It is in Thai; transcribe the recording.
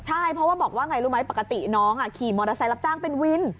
ใช่เพราะว่าบอกว่าไงรู้ไหมปกติน้องขี่มอเตอร์ไซค์รับจ้างเป็นวิน